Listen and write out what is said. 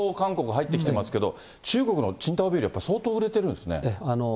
入ってきてますけど、中国の青島ビール、やっぱり相当売れてるんですね。